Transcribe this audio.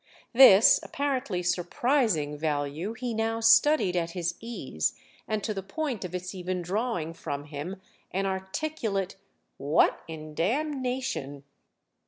This apparently surprising value he now studied at his ease and to the point of its even drawing from him an articulate "What in damnation—?"